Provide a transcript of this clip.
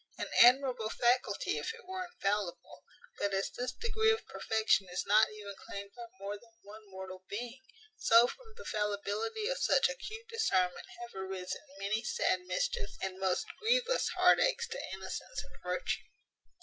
An admirable faculty, if it were infallible; but, as this degree of perfection is not even claimed by more than one mortal being; so from the fallibility of such acute discernment have arisen many sad mischiefs and most grievous heart aches to innocence and virtue.